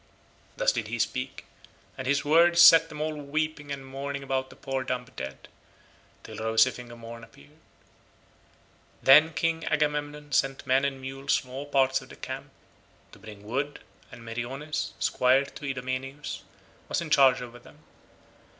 Thus did he speak and his words set them all weeping and mourning about the poor dumb dead, till rosy fingered morn appeared. Then King Agamemnon sent men and mules from all parts of the camp, to bring wood, and Meriones, squire to Idomeneus, was in charge over them.